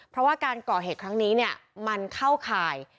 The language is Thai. เพราะว่าการก่อเหตุครั้งนี้มันเข้าข่าย